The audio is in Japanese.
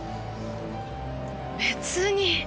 別に。